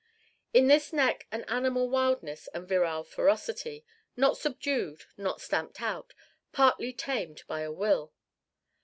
In this neck an animal wildness and virile ferocity not subdued, not stamped out, partly tamed by a will.